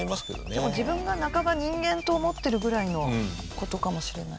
でも自分が半ば人間と思ってるぐらいの事かもしれないですね。